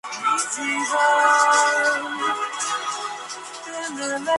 El Teatro Calderón fue su cuna artística.